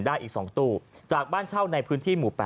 ได้อีก๒ตู้จากบ้านเช่าในพื้นที่หมู่๘